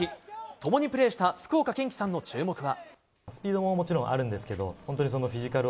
ともにプレーした福岡堅樹さんの注目は。